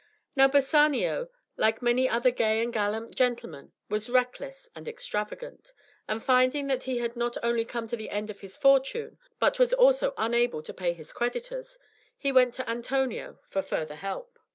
Now Bassanio, like many another gay and gallant gentleman, was reckless and extravagant, and finding that he had not only come to the end of his fortune, but was also unable to pay his creditors, he went to Antonio for further help.